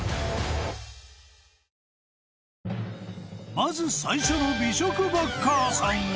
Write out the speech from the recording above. ［まず最初の美食バッカーさんは］